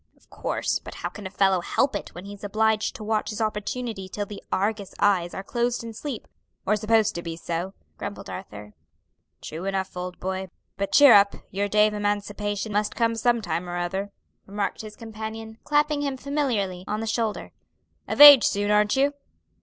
"Of course; but how can a fellow help it when he's obliged to watch his opportunity till the Argus eyes are closed in sleep, or supposed to be so?" grumbled Arthur. "True enough, old boy; but cheer up, your day of emancipation must come some time or other," remarked his companion, clapping him familiarly; on the shoulder. "Of age soon, aren't you?"